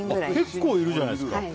結構いるじゃないですか。